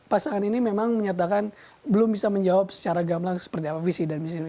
pasangan ini memang menyatakan belum bisa menjawab secara gamlang seperti apa visi dan misi